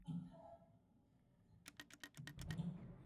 郑白渠灌溉面积逐渐减少。